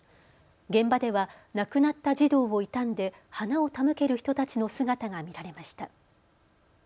現場では亡くなった児童を悼んで花を手向ける人たちの姿が見られました。